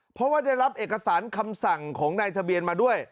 เพราะว่าได้รับเอกสารคำสั่งของนายทะเบียนมาด้วย